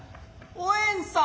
おえんさん。